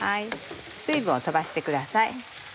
水分を飛ばしてください。